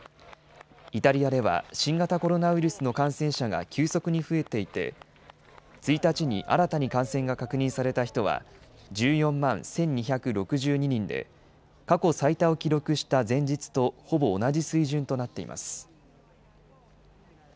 イタリアでは、新型コロナウイルスの感染者が急速に増えていて、１日に新たに感染が確認された人は１４万１２６２人で、過去最多を記録した前日とほぼ同じ水準となっています。